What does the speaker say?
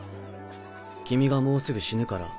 君がもうすぐ死ぬから？